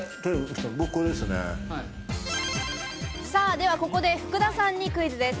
ではここで福田さんにクイズです。